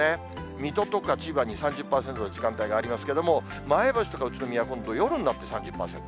水戸とか千葉に３０％の時間帯がありますけれども、前橋とか宇都宮、夜になって３０％。